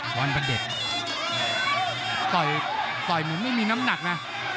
วันพระเด็จต่อยเหมือนไม่มีน้ำหนักนะ